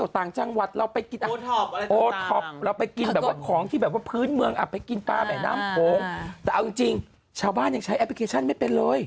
แต่เอาจริงชาวบ้านยังใช้แอปพลิเคชันไม่เป็นเลย